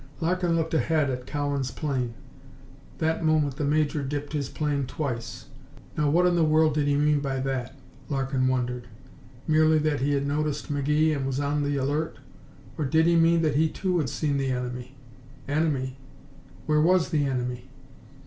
Larkin looked ahead at Cowan's plane. That moment the Major dipped his plane twice. Now what in the world did he mean by that? Larkin wondered. Merely that he had noticed McGee and was on the alert? Or did he mean that he too had seen the enemy? Enemy! Where was the enemy?